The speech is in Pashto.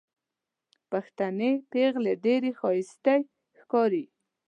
پښتنې پېغلې ډېرې ښايستې ښکاري